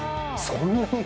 そんなに？